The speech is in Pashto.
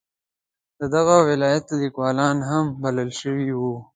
د دغه ولایت لیکوالان هم بلل شوي وو.